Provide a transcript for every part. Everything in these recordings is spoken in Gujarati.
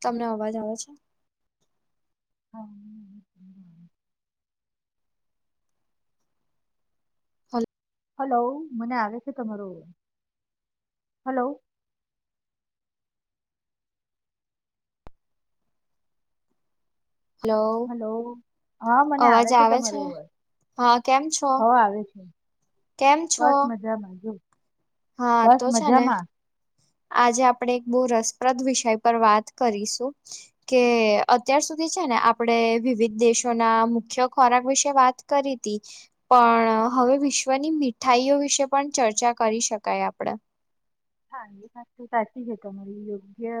તમને અવાજ આવે છે હા હલો હલો મને આવે છે તમારો હલો હલો હલો હા મને આવે છે તમારર હા કેમ છો હ આવે છે કેમ છો બસ મજામાંજ હા તો છે ને આજે આપડે એક બહુ રસપ્રદ વિષય પર વાત કરીશું કે અત્યાર સુધી છે ને આપણે વિવિધ દેશોના મુખ્ય ખોરાક વિશે વાત કરી હતી પણ હવે વિશ્વની મીઠાઈઓ વિશે પણ ચર્ચા કરી શક કઈ આપડ હા એ વાત તો સાચી છે તમારી યોગ્ય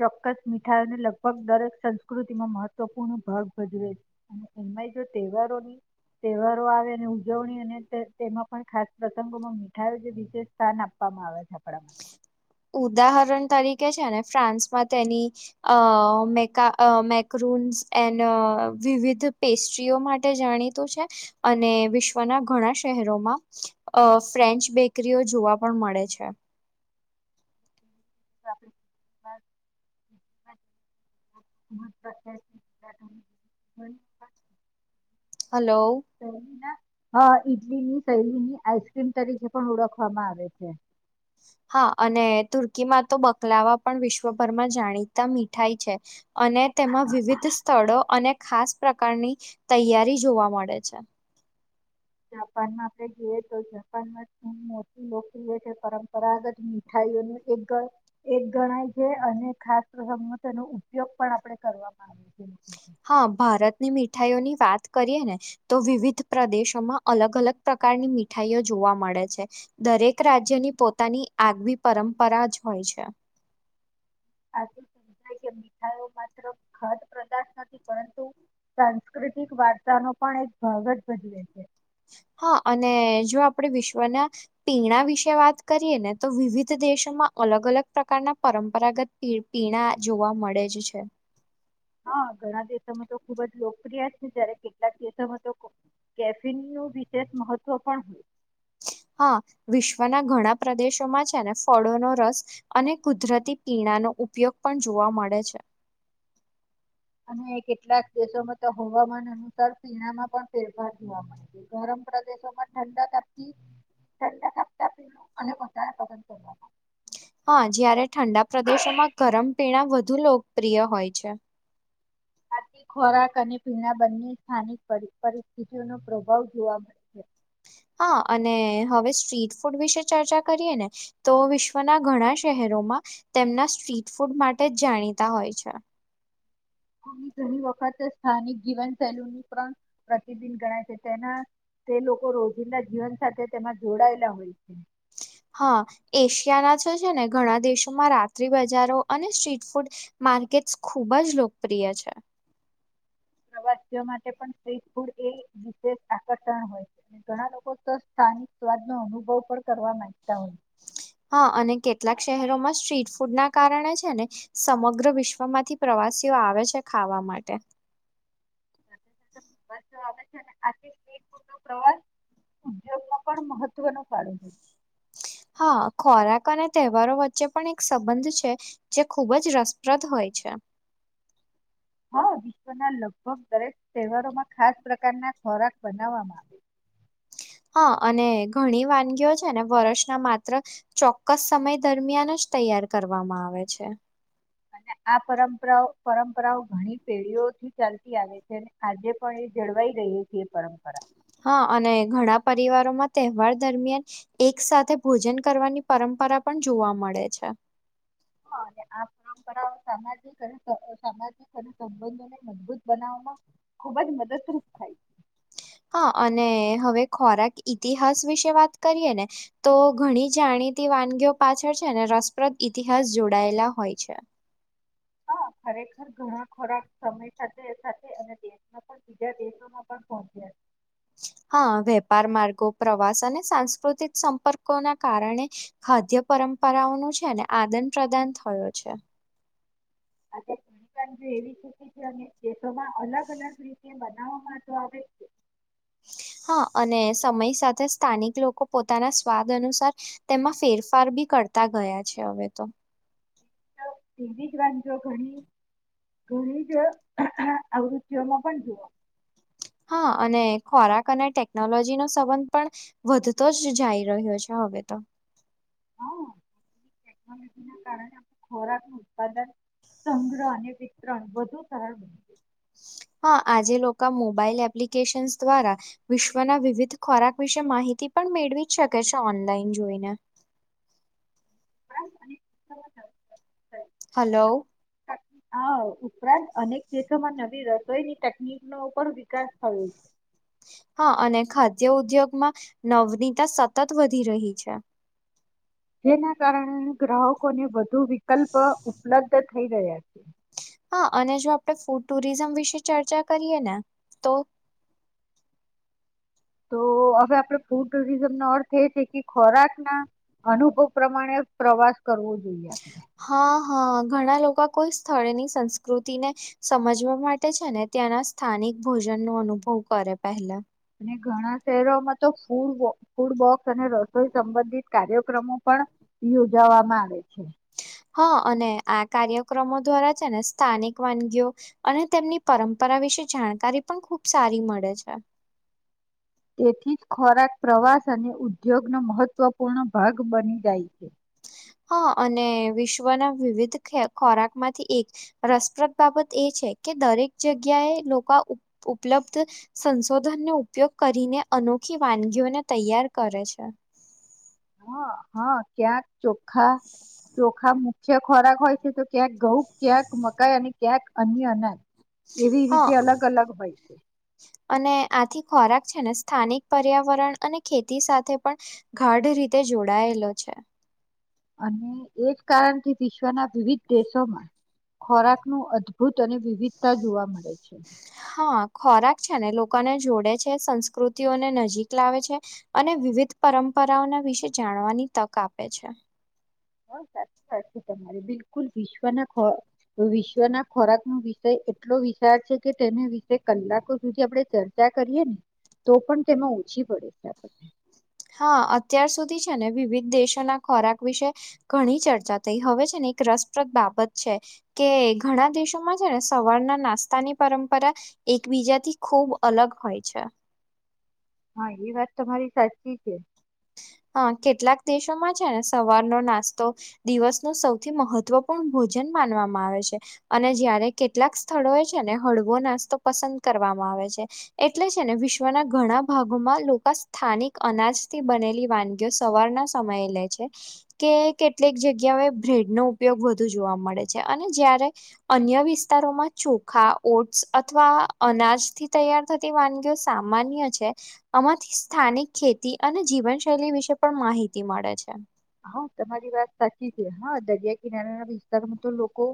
ચોક્કસ મીઠાઈને લગભગ દરેક સંસ્કૃતિમાં મહત્વપૂર્ણ ભાગ ભજવે છે અને એમાંય જો તહેવારોની તહેવારો આવે અને ઉજવણી અને તેમાં પણ ખાસ પ્રસંગોમાં મીઠાઈ જે વિશેષ સ્થાન આપવામાં આવે છે બરા ઉદાહરણ તરીકે છે ને ફ્રાન્સમાં તેની અ મેકા મેકુન્સ એન્ડ વિવિધ પેસ્ટ્રીઓ માટે જાણીતું છે અને વિશ્વના ઘણા શહેરોમાં અ ફ્રેન્ચ બેકરીઓ જોવા પણ મળે છે તો આપણે હલો હા ડલી ની શૈલી ની આઈસક્રીમ તરીકે પણ ઓળખવામાં આવે છે હા અને તુર્કીમાં તો બકલાવા પણ વિશ્વભરમાં જાણીતા મીઠાઈ છે અને તેમાં વિવિધ સ્થળો અને ખાસ પ્રકારની તૈયારી જોવા મળે છે જાપાનમાં આપણે જોઈએ તો જાપાનમાં ખ મોટીું લોકપ્રિય છે પરંપરાગત મીઠાઈઓનું એક એક ગણાય છે અને ખાસ પ્રમ તેનો ઉપયોગ પણ આપણે કરવામાં આવે છે હા ભારતની મીઠાઈઓની વાત કરીએ ને તો વિવિધ પ્રદેશોમાં અલગ અલગ પ્રકારની મીઠાઈઓ જોવા મળે છે દરેક રાજ્યની પોતાની આગવી પરંપરા જ હોય છે આ સમાય કે મીઠાઈ માત્ર ખદ પદાર્થ નથી પરંતુ સાંસ્કૃતિક વાર્તા ન પણ એક ભાગ જ ભજવે છે હા અને જો આપણેે વિશ્વના પીણા વિશે વાત કરીએ ને તો વિવિધ દેશોમાં અલગ અલગ પ્રકારના પરંપરાગત પીણા જોવા મળે જ છે કેટલાકો તો કેફ ન વિશેષ મહત્વ પણ હોય હા વિશ્વના ઘણા પ્રદેશોમાં છે ને ફળોનો રસ અને કુદરતી પીણાનો ઉપયોગ પણ જોવા મળે છે અને કેટલાક દેશોમાં તો હવામાન અનુસાર પીણામાં પણ ફેરફાર જોવા મળે છે ગરમ પ્રદેશોમાં ઠં કાપતીતા પી અને પ હા જયારે ઠંડા પ્રદેશોમાં ગરમ પીણા વધુ લોકપ્રિય હોય છે આથી ખોરાક અને પીણા બંને સ્થાનિક પરિસ્થિતિઓનો પ્રભાવ જોવા મળે છે હા અને હવે સ્ટ્રીટ ફૂડ વિશે ચર્ચા કરીએ ને તો વિશ્વના ઘણા શહેરોમાં તેમના સ્ટ્રીટ ફૂડ માટે જ જાણીતા હોય છે ઘણી વખત સ્થાનિક જીવન શૈલી પણ પ્રતિબિબ ગણાય છે તેના તે લોકો રોજિંદા જીવન સાથે તેમાં જોડાયેલા હોય છે હા એશિયાના છે છે ને ઘણા દેશોમાં રાત્રિ બજારો અને સ્ટ્રીટ ફૂડ માર્કેટસ ખૂબ જ લોકપ્રિય છે પ્રવાસીઓ માટે પણ સ્રીટ ફૂડ એ વિશેષ આકર્ષણ હોય છે ઘણા લોકો સ્થાનિક સ્વાદ નો અનુભવ પણ કરવા માં હા અને કેટલાક શહેરોમાં સ્ટ્રીટ ફૂડ ના કારણે છે ને સમગ્ર વિશ્વમાંથી પ્રવાસીઓ આવે છે ખાવા માટે પ્રવાસ ઉદ્યોગ માં પણ મહત્વનું કાર હા ખોરાક અને તહેવારો વચ્ચે પણ એક સંબંધ છે જે ખૂબ જ રસપ્રદ હોય છે હા વિશ્વના લગભગ દરેક તહેવારોમાં ખાસ પ્રકારના ખોરાક બનાવવામાં આવે છે. હા અને ઘણી વાનગીઓ છે ને વર્ષના માત્ર ચોક્કસ સમય દરમિયાન જ તૈયાર કરવામાં આવે છે. અને આ પરંપરાઓ પરંપરાઓ ઘણી પેઢીઓથી ચાલતી આવે છે અને આજે પણ એ જળવાઈ રહી છે એ પરંપરા. હા અને ઘણા પરિવારોમાં તહેવાર દરમિયાન એક સાથે ભોજન કરવાની પરંપરા પણ જોવા મળે છે. અને આ પરંપરાઓ સામાજિક અને સામાજિક અને સંબંધોને મજબૂત બનાવવામાં ખુબ જ મદદરૂપ થાય છે. હા અને હવે ખોરાક ઈતિહાસ વિશે વાત કરીએ ને તો ઘણી જાણીતી વાનગીઓ પાછળ છે ને રસપ્રદ ઈતિહાસ જોડાયેલા હોય છે. હા ખરેખર ઘણા ખોરાક સમય સાથે સાથે અને દેશ પણ બીજા દેશોમાં પણ પહોચ્યા છે. હા વેપાર માર્ગો પ્રવાસ અને સાંસ્કૃતિક સંપર્કોના કારણે ખાદ્ય પરંપરાઓનું છે ને આદાન પ્રદાન થયો છે. આ [inaudible] એવી સ્થિતી છે અને દેશોમાં અલગ અલગ રીતે બનાવવામાં જો આવે હા અને સમય સાથે સ્થાનિક લોકો પોતાના સ્વાદ અનુસાર તેમાં ફેરફાર બી કરતા ગયા છે હવે તો. એવી જ વાંધો ઘણી ઘણી જ આવૃતતિઓમાં પણ જોઓ. હા અને ખોરાક અને ટેકનોલોજી નો સંબંધ પણ વધતો જ જઈ રહ્યો છે હવે તો. ખોરાક નું ઉત્પાદન, સંગ્રહ અને વિતરણ વધુ સરળ બની. હા આજે લોકો મોબાઈલ એપ્લિકેશન્સ દ્વારા વિશ્વના વિવિધ ખોરાક વિશે માહિતી પણ મેળવી જ શકે છે ઓનલાઈન જોઈને. [inaudible] હાલો. હા ઉપરાંત અનેક દેશોમાં નવી રસોઈની તકનીક નો પણ વિકાસ થયો છે. હા અને ખાદ્ય ઉદ્યોગમાં નવનીતા સતત વધી રહી છે. જેના કારણે ગ્રાહકો ને વધ ધુ વિકલ્પ ઉપલબ્ધ થ થઈ ગયા છે. હા અને જો આપણે ફૂડ ટુરિઝમ વિશે ચર્ચા કરીએ ને તો તો હવે આપડે ફૂડ ટુરિઝમ નો અર્થ એ છે કે ખોરાક ના અનુભવ પ્રમાણે પ્રવાસ કરવો જોઈએ આપણે. હા હા ઘણા લોકો કોઈ સ્થળની સંસ્કૃતિને સમજવા માટે છે ને ત્યાંના સ્થાનિક ભોજન નો અનુભવ કરે પહેલા. અને ઘણા શહેરોમાં તો ફૂડ બો ફૂડ બોક્સ અને રસોઈ સંબંધિત કાર્યક્રમો પણ યોજાવામાં આવે છે. હા અને આ કાર્યક્રમો દ્વારા છે ને સ્થાનિક વાનગીઓ અને તેમની પરંપરા વિશે જાણકારી પણ ખૂબ સારી મળે છે. તેથી જ ખોરાક, પ્રવાસ અને ઉદ્યોગનો મહત્વપૂર્ણ ભાગ બની જાય છે. હા અને વિશ્વના વિવિધ ખોરાક માંથી એક રસપ્રદ બાબત એ છે કે દરેક જગ્યાએ લોકો ઉપ ઉપલબ્ધ સંશોધનનો ઉપયોગ કરીને અનોખી વાનગીઓને તૈયાર કરે છે. હા હા ક્યાં ચોખા, ચોખા મુ ખોરાક હોય છે તો ક્યાંક ઘઉં ક્યાંક મકાઈ અને ક્યાંક અન્ય અનાજ. એવી હા રીતે અલગ અલગ હોય છે. અને આથી ખોરાક છે ને સ્થાનિક પર્યાવરણ અને ખેતી સાથે પણ ગાઢ રીતે જોડાયેલો છે. અને એ જ કારણથી વિશ્વના વિવિધ દેશોમાં ખોરાકનું અદ ભૂત અને વિવિધતા જોવા મળે છે. હા ખોરાક છે ને લોકોને જોડે છે સંસ્કૃતિઓને નજીક લાવે છે અને વિવિધ પરંપરાઓના વિશે જાણવાની તક આપે છે. હા સાચી વાત છે તમારે બિલકુલ વિશ્વના વિશ્વના ખોરાકનો વિષય એટલો વિશાળ છે કે તેના વિશે કલાકો સુધી આપણે ચર્ચા કરીએ ને તો પણ તેમાં ઓછી પડે છે આપણને. હા અત્યાર સુધી છે ને વિવિધ દેશોના ખોરાક વિશે ઘણી ચર્ચા થઈ હવે છે ને એક રસપ્રદ બાબત છે કે ઘણા દેશોમાં છે ને સવારના નાસ્તાની પરંપરા એકબીજાથી ખૂબ અલગ હોય છે. હા એ વાત તમારી સાચી છે. હા કેટલાક દેશોમાં છે ને સવારનો નાસ્તો દિવસ નો સૌથી મહત્વપૂર્ણ ભોજન માનવામાં આવે છે અને જયારે કેટલાક સ્થળો એ છે ને હળવો નાસ્તો પસંદ કરવામાં આવે છે. એટલે છે ને વિશ્વના ઘણા ભાગોમાં લોકો સ્થાનિક અનાજ થી બનેલી સવારના સમયે લે છે કે કેટલીક જગ્યાએ બ્રેડ નો ઉપયોગ વધુ જોવા મળે છે અને જયારે અન્ય વિસ્તારોમાં ચોખા, ઓટ્સ અથવા અનાજથી તૈયાર થતી વાનગીઓ સામાન્ય છે. આમાંથી સ્થાનિક ખેતી અને જીવનશૈલી વિશે પણ માહિતી મળે છે. હા તમારી વાત સાચી છે. હા દરિયા કિનારાના વિસ્તારમાં તો લોકો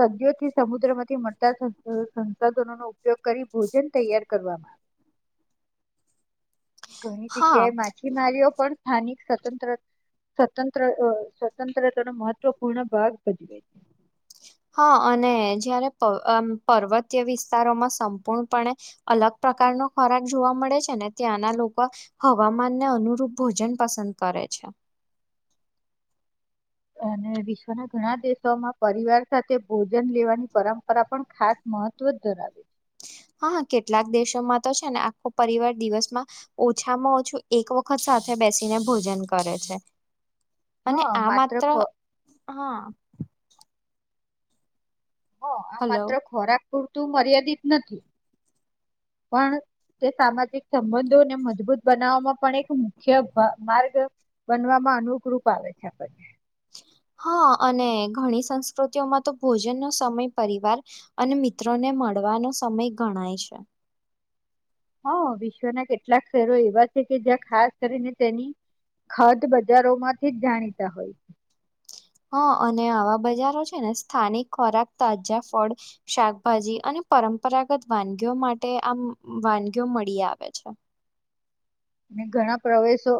સદી્યોથી સમુદ્રમાંથી મળતા સંસાધનો નો ઉપયોગ કરી ભોજન તૈયાર કરવામાં ઘણી હા જગ્યાએ માછીમાર્યો પણ સ્થાનિક સ્વત્ર સ્વતંત્ર સ્વતંત્રતા ન મહત્વપૂર્ણ ભાગ ભજવે છે. હા અને જયારે પર્વતીય વિસ્તારોમાં સંપૂર્ણપણે અલગ પ્રકારનો ખોરાક જોવા મળે છે ને ત્યાંના લોકો હવામાનને અનુરૂપ ભોજન પસંદ કરે છે. અને વિશ્વના ઘણા દેશોમાં પરિવાર સાથે ભોજન લેવાની પરંપરા પણ ખાસ મહત્વ જ ધરાવે છે. હા કેટલાક દેશોમાં તો છે ને આખો પરિવાર દિવસમાં ઓછામાં ઓછું એક વખત સાથે બેસીને ભોજન કરે છે. અને હા આ માત્ર ખો હા. હ આ હલો માત્ર ખોરાક પૂરતું મર્યાદિત નથી પણ તે સામાજિક સંબંધોને મજબૂત બનાવવામાં પણ એક મુખ્ય માર્ગ બનવામાં અનુકૂપ આવે છે આપ હા અને ઘણી સંસ્કૃતિઓમાં તો ભોજનનો સમય પરિવાર અને મિત્રોને મળવાનો સમય ગણાય છે. હા વિશ્વના કેટલાક શહેરો એવા છે કે જ્યાં ખાસ કરીને તેની ખદ બજારોમાંથી જ જાણીતા હોય છે. હા અને આવા બજારો છે ને સ્થાનિક ખોરાક તાજા ફળ શાકભાજી અને પરંપરાગત વાનગીઓ માટે આમ વાનગીઓ મળી આવે છે. અને ઘણા પ્રવેશો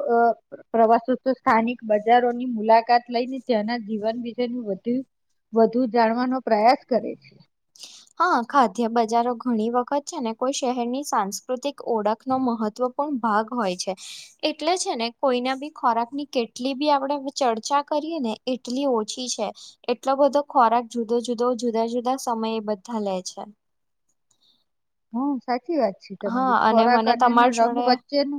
પ્રવાસો તો સ્થાનિક બજારોની મુલાકાત લઈને ત્યાંના જીવન વિશેની વધુ વધુ જાણવાનો પ્રયાસ કરે છે. હા ખાદ્ય બજારો ઘણી વખત છે ને કોઈ શહેરની સાંસ્કૃતિક ઓળખનો મહત્વપૂર્ણ ભાગ હોય છે એટલે છે ને કોઈના બી ખોરાક ની કેટલી બી આપણે ચર્ચા કરીએ ને એટલી ઓછી છે એટલો બધો ખોરાક જુદો જુદો જુદા જુદા સમયે બા થલે છે. હમ સા સાચી વાત છે તમારી હા ખોરાક મને અને એ તમાર રંગ જોડે વચ્ચેનો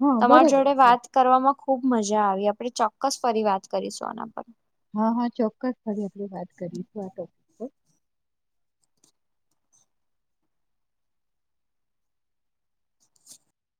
હા તમાર બરોબર જોડે છે. વાત કરવામાં ખુબ મજા આવી આપણે ચોક્કસ ફરી વાત કરીશું આના પર હા હા ચોક્કસ ફરી આપણે વાત કરીશું આ ટોપિક પર.